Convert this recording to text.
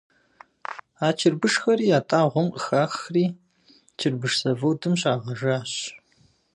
А чырбышхэри ятӏагъуэм къыхахри чырбыш заводым щагъэжащ.